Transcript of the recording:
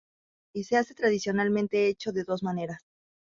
Y se hace tradicionalmente hecho de dos maneras.